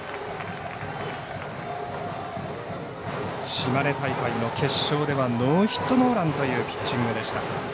島根大会の決勝ではノーヒットノーランというピッチングでした。